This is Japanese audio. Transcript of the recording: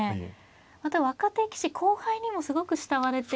また若手棋士後輩にもすごく慕われている。